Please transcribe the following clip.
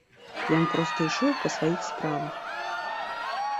Ён проста ішоў па сваіх справах.